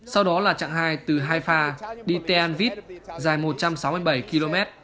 sau đó là trạng hai từ haifa đi teanvit dài một trăm sáu mươi bảy km